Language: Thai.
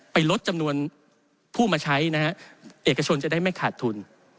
ลดจำนวนผู้มาใช้นะฮะเอกชนจะได้ไม่ขาดทุน